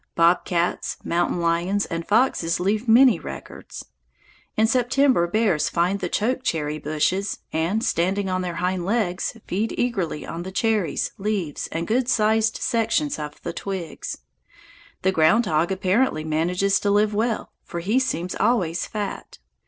Bobcats, mountain lions, and foxes leave many records. In September bears find the choke cherry bushes and, standing on their hind legs, feed eagerly on the cherries, leaves, and good sized sections of the twigs. The ground hog apparently manages to live well, for he seems always fat.